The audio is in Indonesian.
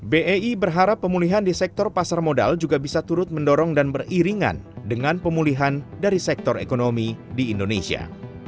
bei berharap pemulihan di sektor pasar modal juga bisa turut mendorong dan beriringan dengan pemulihan dari sektor ekonomi di indonesia